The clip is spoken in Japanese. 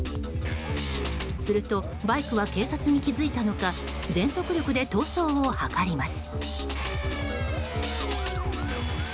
すると、バイクは警察に気付いたのか全速力で逃走を図ります。